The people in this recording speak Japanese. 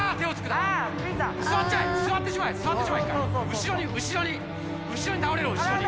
後ろに後ろに後ろに倒れろ後ろに。